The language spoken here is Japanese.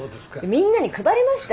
みんなに配りましたよ。